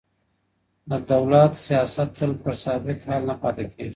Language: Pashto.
د دولت سياست تل پر ثابت حال نه پاته کېږي.